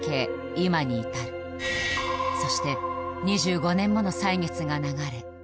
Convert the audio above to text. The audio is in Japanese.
今に至るそして２５年もの歳月が流れ